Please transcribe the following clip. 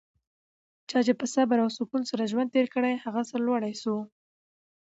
چا چي په صبر او سکون سره ژوند تېر کړ؛ هغه سرلوړی سو.